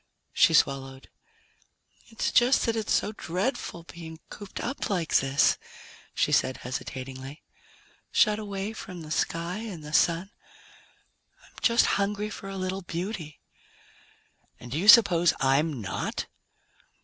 She swallowed. "It's just that it's so dreadful being cooped up like this," she said hesitatingly, "shut away from the sky and the Sun. I'm just hungry for a little beauty." "And do you suppose I'm not?"